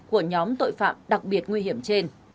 của nhóm tội phạm đặc biệt nguy hiểm trên